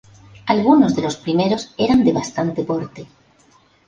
Algunos de los primeros eran de bastante porte.